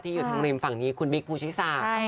อยู่ทางริมฝั่งนี้คุณบิ๊กภูชิสา